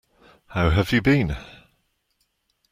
How have you been?